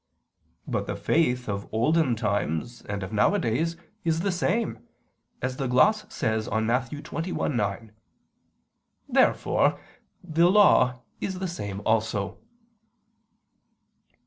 But the faith of olden times and of nowadays is the same, as the gloss says on Matt. 21:9. Therefore the law is the same also.